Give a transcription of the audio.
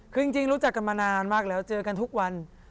คือจริงรู้จักกันมานานมากแล้วเจอกันทุกวัน